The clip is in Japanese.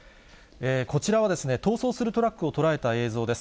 こちらは、逃走するトラックを捉えた映像です。